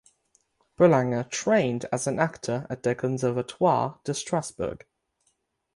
Boulanger trained as an actor at the Conservatoire de Strasbourg.